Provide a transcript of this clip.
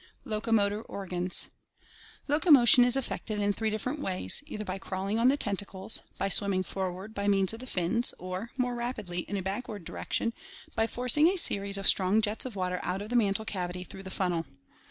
Locomotor Organs. — Locomotion is effected in three different ways: either by crawling on the tentacles, by swimming forward by means of the fins, or, more rapidly, in a backward direction, by forcing a series of strong jets of water out of the mantle cavity through the funnel.